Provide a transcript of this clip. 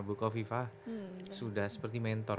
bukoviva sudah seperti mentor